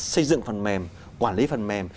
xây dựng phần mềm quản lý phần mềm